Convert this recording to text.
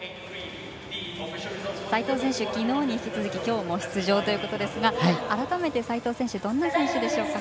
齋藤選手、昨日に引き続き今日も出場ということですが改めて、齋藤選手どんな選手でしょうか。